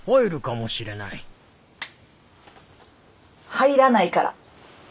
入らないから！